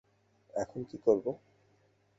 এখন কী করব?